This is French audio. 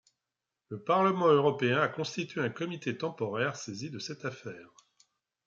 Le Parlement européen a constitué un comité temporaire saisi de cette affaire.